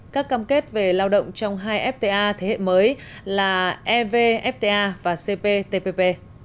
các cam kết về lao động trong hai fta thế hệ mới là evfta và cptpp